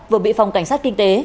vừa bị phòng cảnh sát kinh tế